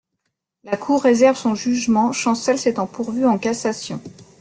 La Cour réserve son jugement, Chancel s'étant pourvu en cassation.